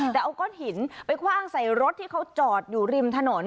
แต่เอาก้อนหินไปคว่างใส่รถที่เขาจอดอยู่ริมถนน